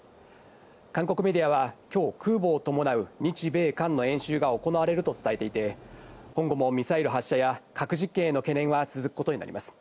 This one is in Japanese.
韓国メディアは今日、空母を伴う日米韓の演習が行われると伝えていて、今後もミサイル発射や核実験への懸念は続くことになります。